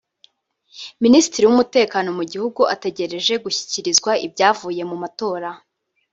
Minisitiri w’ umutekano mu gihugu ategereje gushyikirizwa ibyavuye mu matora